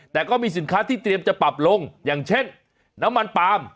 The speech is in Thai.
แต่ก็มีสินค้าที่เตรียมจะปรับลงอย่างเช่นน้ำมันปาล์ม